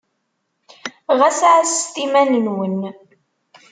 Ɣas ɛasset iman-nwen!